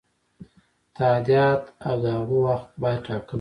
تادیات او د هغو وخت باید ټاکلی وي.